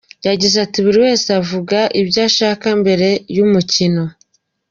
Yagize ati ‘Buri wese avuga ibyo ashaka mbere y’umukino.